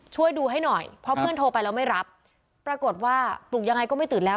ช่วยดูให้หน่อยเพราะเพื่อนโทรไปแล้วไม่รับปรากฏว่าปลุกยังไงก็ไม่ตื่นแล้ว